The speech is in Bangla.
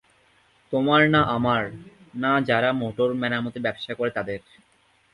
তোমার না আমার, না যারা মোটর-মেরামতের ব্যবসা করে তাদের?